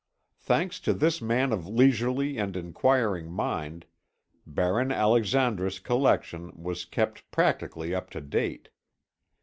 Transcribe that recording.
Thanks to this man of leisurely and inquiring mind, Baron Alexandre's collection was kept practically up to date.